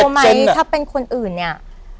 คุณรู้ไหมถ้าเป็นคนอื่นเนี่ย